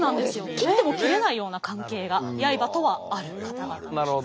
切っても切れないような関係が刃とはある方々なんです。